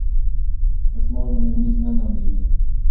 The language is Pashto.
که دستمال وي نو میز نه لمدیږي.